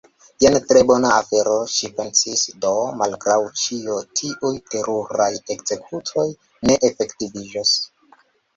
"Jen tre bona afero," ŝi pensis. "Do, malgraŭ ĉio, tiuj teruraj ekzekutoj ne efektiviĝos. »